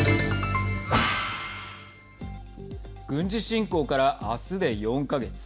軍事侵攻から、あすで４か月。